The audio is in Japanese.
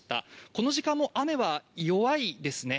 この時間も雨は弱いですね。